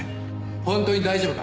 本当に大丈夫か？